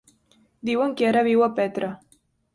Diuen que ara viu a Petra.